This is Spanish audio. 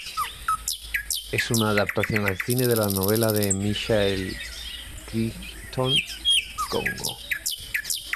Es una adaptación al cine de la novela de Michael Crichton, "Congo".